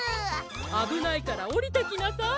あぶないからおりてきなさい。